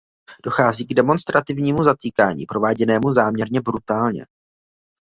Dochází k demonstrativnímu zatýkání prováděnému záměrně brutálně.